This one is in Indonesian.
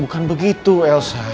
bukan begitu elsa